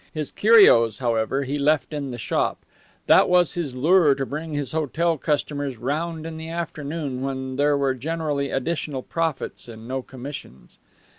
His curios, however, he left in the shop. That was his lure to bring his hotel customers round in the afternoon, when there were generally additional profits and no commissions.